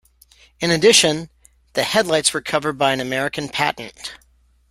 In addition, the headlights were covered by an American patent.